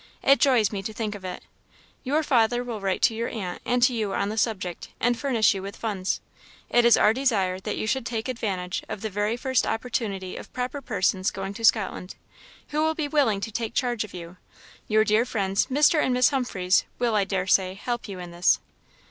It joys me to think of it. Your father will write to your aunt and to you on the subject, and furnish you with funds. It is our desire that you should take advantage of the very first opportunity of proper persons going to Scotland, who will be willing to take charge of you. Your dear friends, Mr. and Miss Humphreys, will, I dare say, help you in this.